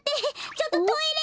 ちょっとトイレ！